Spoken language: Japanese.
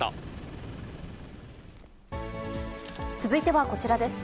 続いてはこちらです。